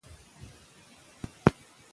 ذهن د خطر نښې کشفوي.